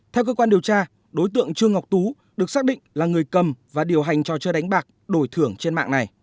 theo cơ quan điều tra đối tượng trương ngọc tú được xác định là người cầm và điều hành trò chơi đánh bạc đổi thưởng trên mạng này